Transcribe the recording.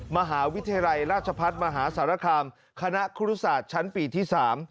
มหาวิทยาลัยราชพัฒน์มหาสารคามคณะครูรุศาสตร์ชั้นปีที่๓